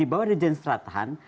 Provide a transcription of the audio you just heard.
berada di jenis teratahan